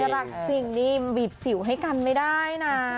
รักจริงนี่บีบสิวให้กันไม่ได้นะ